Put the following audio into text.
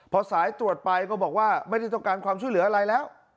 พอสายตรวจไปก็บอกว่าไม่ได้ต้องการความช่วยเหลืออะไรแล้ว